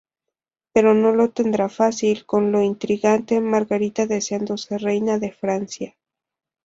Pero no lo tendrá fácil, con la intrigante Margarita deseando ser reina de Francia.